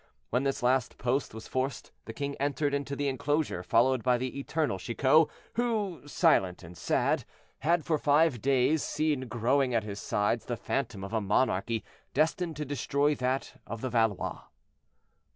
When this last post was forced, the king entered into the inclosure, followed by the eternal Chicot, who, silent and sad, had for five days seen growing at his sides the phantom of a monarchy destined to destroy that of the Valois.